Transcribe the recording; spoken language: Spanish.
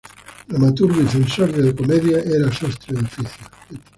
Dramaturgo y censor de comedias, era sastre de oficio.